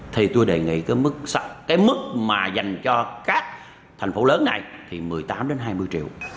thì tôi đề nghị cái mức cái mức mà dành cho các thành phố lớn này thì một mươi tám hai mươi triệu